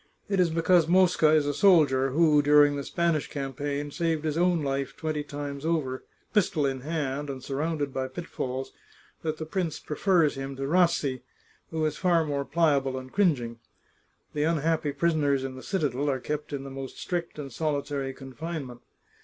It is because Mosca is a soldier, who, during the Spanish campaigns, saved his own life twenty times over, pistol in hand, and surrounded by pitfalls, that the prince prefers him to Rassi, who is far more pliable and cringing. The unhappy prisoners in the citadel are kept in the most strict and solitary confinement.